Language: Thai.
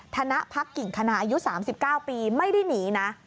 ธนพักกิ่งคณาอายุ๓๙ปีไม่ได้หนีนะ